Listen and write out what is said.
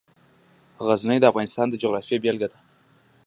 غزني د افغانستان د جغرافیې بېلګه ده.